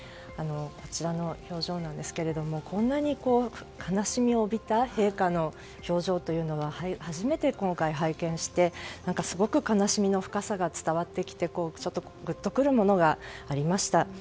こちらの表情ですがこんなに悲しみを帯びた陛下の表情というのは初めて今回拝見してすごく悲しみの深さが伝わってきてグッとくるものがありました。